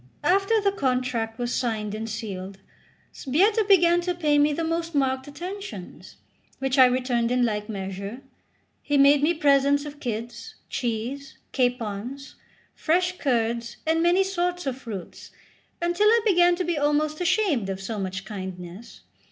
After the contract was signed and sealed, Sbietta began to pay me the most marked attentions, which I returned in like measure. He made me presents of kids, cheese, capons, fresh curds, and many sorts of fruits, until I began to be almost ashamed of so much kindness.